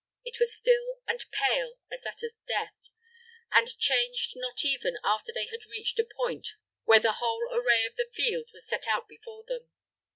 It was still and pale as that of death, and changed not even after they had reached a point where the whole array of the field was set out before them.